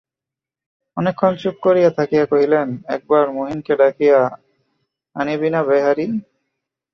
অনেকক্ষণ চুপ করিয়া থাকিয়া কহিলেন, একবার মহিনকে ডাকিয়া আনিবিনা, বেহারি?